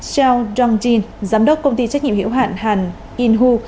seo dong jin giám đốc công ty trách nhiệm hiệu hạn hàn in hu